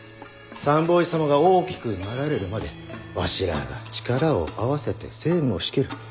三法師様が大きくなられるまでわしらあが力を合わせて政務を仕切る。